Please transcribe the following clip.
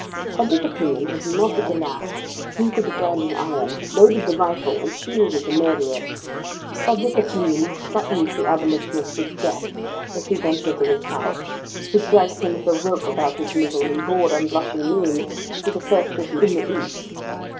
Public opinion has knotted the lash, heated the branding iron, loaded the rifle, and shielded the murderer. Public opinion threatens the abolitionist with death, if he venture to the South; and drags him with a rope about his middle, in broad unblushing noon, through the first city in the East.